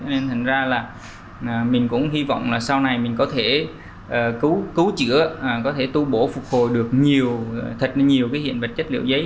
nên mình cũng hy vọng sau này mình có thể cứu chữa có thể tu bổ phục hồi được thật nhiều hiện vật chất liệu giấy